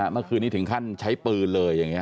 เมื่อคืนนี้ถึงขั้นใช้ปืนเลยอย่างนี้